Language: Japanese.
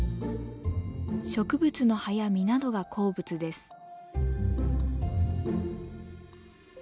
植物の葉や実などが好物です。